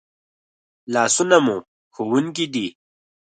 لاسونه مو ښوونکي دي